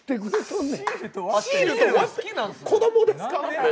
子供ですか？